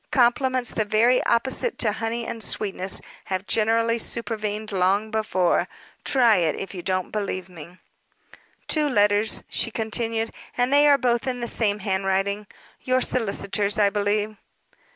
Compliments the very opposite to honey and sweetness have generally supervened long before. Try it, if you don't believe me. "Two letters," she continued, "and they are both in the same handwriting your solicitors', I believe."